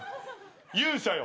勇者よ。